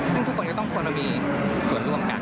ซึ่งทุกคนจะต้องควรมีส่วนร่วมกัน